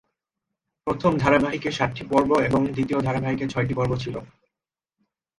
প্রথম ধারাবাহিকে সাতটি পর্ব এবং দ্বিতীয় ধারাবাহিকে ছয়টি পর্ব ছিল।